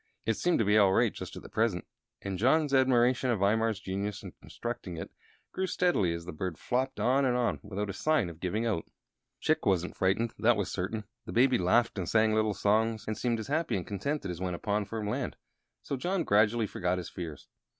It seemed to be all right just at present, and John's admiration of Imar's genius in constructing it grew steadily as the bird flopped on and on without a sign of giving out. Chick wasn't frightened, that was certain. The Baby laughed and sang little songs, and seemed as happy and contented as when upon firm land; so John gradually forgot his fears.